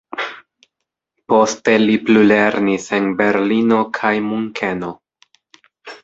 Poste li plulernis en Berlino kaj Munkeno.